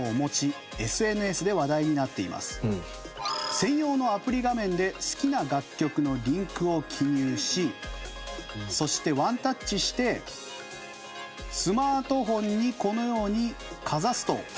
専用のアプリ画面で好きな楽曲のリンクを記入しそしてワンタッチしてスマートフォンにこのようにかざすと。